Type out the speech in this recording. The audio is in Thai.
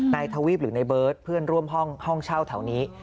ทวีปหรือในเบิร์ตเพื่อนร่วมห้องเช่าแถวนี้